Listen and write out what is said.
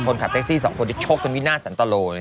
คนขับแท็กซี่๒คนจะโชกกันวินาทสันตะโล